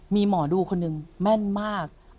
มีหมอดูคนหนึ่งแม่นมาก